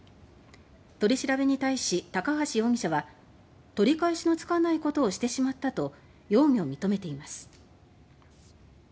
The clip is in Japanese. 取り調べに対し高橋容疑者は「取り返しのつかないことをしてしまった」と容疑を認めています。